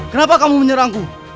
kenapa kamu menyerangku